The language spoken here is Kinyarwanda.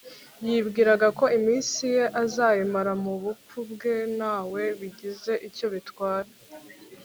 \ yibwiraga ko iminsi ye azayimara mu bupfu bwe ntawe bigize icyo bitwara